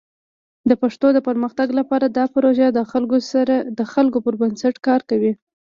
د پښتو د پرمختګ لپاره دا پروژه د خلکو پر بنسټ کار کوي.